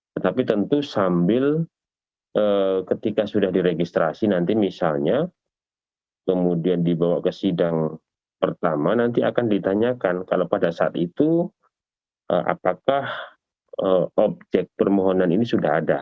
tetapi tentu sambil ketika sudah diregistrasi nanti misalnya kemudian dibawa ke sidang pertama nanti akan ditanyakan kalau pada saat itu apakah objek permohonan ini sudah ada